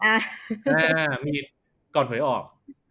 อ่ามีก่อนหวยออก